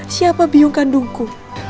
siapa biung kandungku